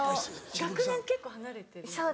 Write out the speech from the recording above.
学年結構離れてるよね。